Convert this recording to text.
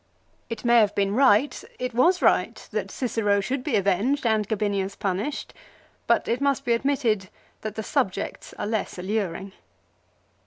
It may have been right, it was right, that Cicero should be avenged and Gabinius punished ; but it must be admitted that the subjects are less alluring.